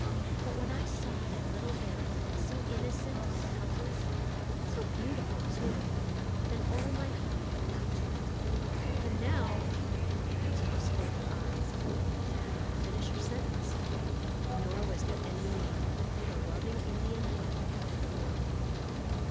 But when I saw that little babe, so innocent and helpless, and so beautiful too, then all my heart went out to it. And now " Tears filled her eyes. She could not finish her sentence. Nor was there any need; the loving Indian heart had been won.